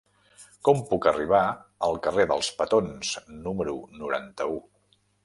Com puc arribar al carrer dels Petons número noranta-u?